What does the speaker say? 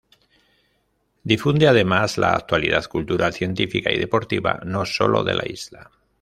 Difunde, además, la actualidad cultural, científica y deportiva, no solo de la Isla.